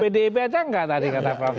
pdb ada enggak tadi kata pak jokowi